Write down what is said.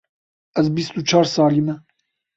Ez bîst û çar salî me.